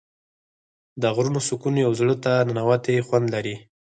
د غرونو سکون یو زړه ته ننووتی خوند لري.